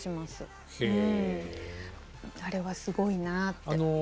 あれはすごいなって。